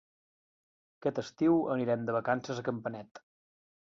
Aquest estiu anirem de vacances a Campanet.